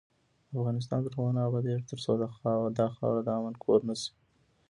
افغانستان تر هغو نه ابادیږي، ترڅو دا خاوره د امن کور نشي.